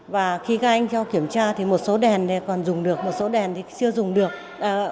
và khi các anh cho kiểm tra thì một số đèn còn dùng được một số đèn thì chưa dùng được một số đèn đã hỏng